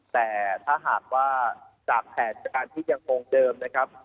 แต่ถ้าหากว่าจากแผนการที่ยังคงเดิมนะครับ